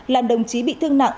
là đồng chí bị thương nặng